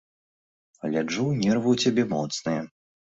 Гляджу, нервы ў цябе моцныя.